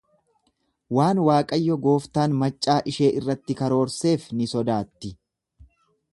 Waan Waaqayyo gooftaan maccaa ishee irratti karoorseef ni sodaatti.